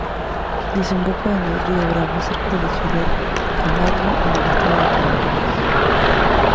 Desemboca en el río Bravo, cerca de Ciudad Camargo, en el estado de Tamaulipas.